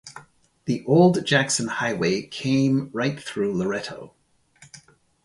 The Old Jackson Highway came right through Loretto.